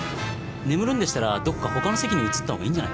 眠るんでしたらどっかほかの席に移ったほうがいいんじゃないですか。